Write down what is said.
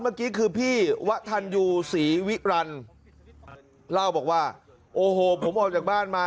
เมื่อกี้คือพี่วะธัญยูศรีวิรันเล่าบอกว่าโอ้โหผมออกจากบ้านมา